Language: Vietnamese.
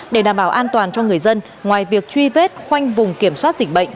để đảm bảo an toàn cho người dân ngoài việc truy vết khoanh vùng kiểm soát dịch bệnh